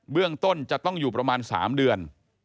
เรื่องต้นจะต้องอยู่ประมาณ๓เดือน